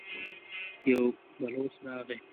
يو بلوڅ راغی.